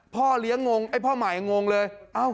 พ่อเหลี้ยงงงพ่อหมายงงเลย